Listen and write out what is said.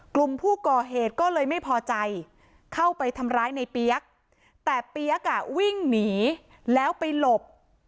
กลุ่มผู้ก่อเหตุก็เลยไม่พอใจเข้าไปทำร้ายในเปี๊ยกแต่เปี๊ยกอ่ะวิ่งหนีแล้วไปหลบ